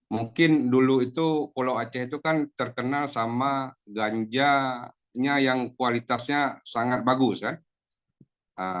mungkin dulu itu pulau aceh itu kan terkenal sama ganjanya yang kualitasnya sangat bagus kan